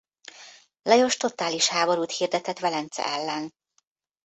Lajos totális háborút hirdetett Velence ellen.